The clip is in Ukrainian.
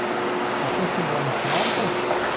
А то хіба не правда?